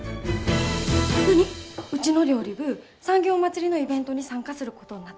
うちの料理部産業まつりのイベントに参加することになったから。